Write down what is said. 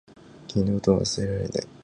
君のことを忘れられない